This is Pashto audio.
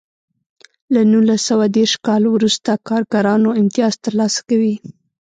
له نولس سوه دېرش کال وروسته کارګرانو امتیاز ترلاسه کوی.